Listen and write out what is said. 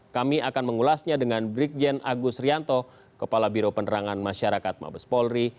kami akan mengulasnya dengan brigjen agus rianto kepala biro penerangan masyarakat mabes polri